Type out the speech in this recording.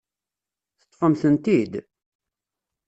Teṭṭfemt-tent-id?